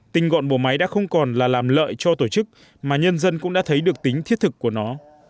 tinh gọn bộ máy đã không còn là làm lợi cho tổ chức mà nhân dân cũng đã thấy được tính thiết thực của nó